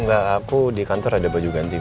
enggak aku di kantor ada baju ganti